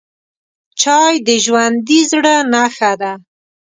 چای د ژوندي زړه نښه ده